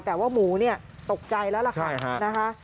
แต่ว่าหมูนี่ตกใจแล้วล่ะค่ะ